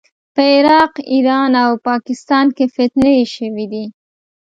په عراق، ایران او پاکستان کې فتنې شوې دي.